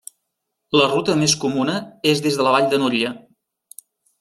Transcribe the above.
La ruta més comuna és des de la Vall de Núria.